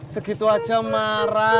segitu aja marah